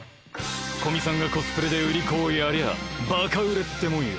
古見さんがコスプレで売り子をやりゃあバカ売れってもんよ。